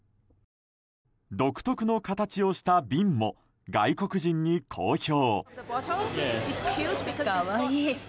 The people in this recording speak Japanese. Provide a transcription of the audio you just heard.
独特の形をした瓶も外国人に好評。